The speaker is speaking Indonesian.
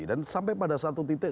dan sampai pada satu titik